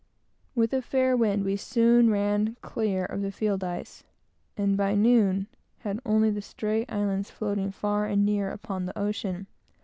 With a fair wind we soon ran clear of the field ice, and by noon had only the stray islands floating far and near upon the ocean.